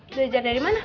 belajar dari mana